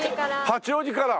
八王子から。